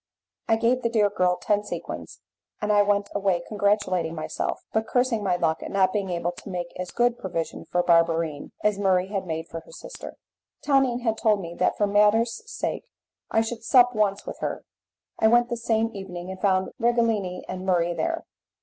I gave the dear girl ten sequins, and I went away congratulating myself, but cursing my luck at not being able to make as good provision for Barberine as Murray had made for her sister. Tonine had told me that for manners' sake I should sup once with her. I went the same evening and found Righelini and Murray there.